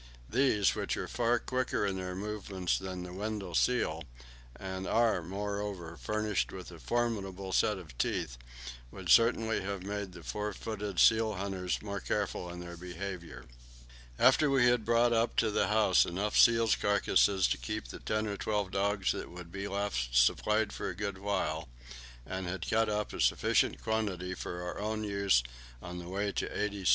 These, which are far quicker in their movements than the Weddell seal, and are, moreover, furnished with a formidable set of teeth, would certainly have made the four footed seal hunters more careful in their behaviour. After we had brought up to the house enough seals' carcasses to keep the ten or twelve dogs that would be left supplied for a good while, and had cut up a sufficient quantity for our own use on the way to 80° S.